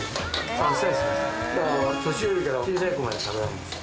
だから年寄りから小さい子まで食べられます。